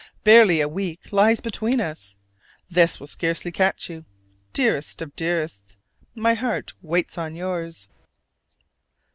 Barely a week lies between us: this will scarcely catch you. Dearest of dearests, my heart waits on yours.